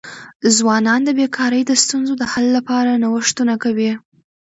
ځوانان د بېکاری د ستونزو د حل لپاره نوښتونه کوي.